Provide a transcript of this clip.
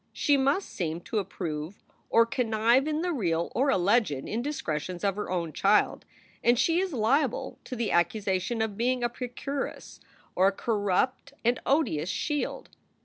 She must seem to approve or connive in the real or alleged indiscretions of her own child, and she is liable to the accusation of being a procuress or a corrupt and odious shield.